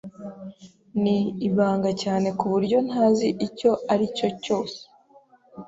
Ni ibanga cyane kuburyo ntazi icyo aricyo cyose.